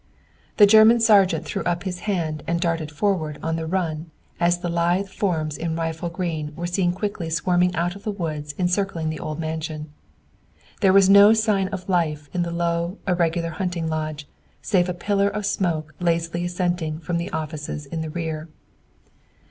The German sergeant threw up his hand and darted forward on the run as lithe forms in rifle green were seen quickly swarming out of the woods encircling the old mansion. There was no sign of life in the low, irregular hunting lodge, save a pillar of smoke lazily ascending from the offices in rear.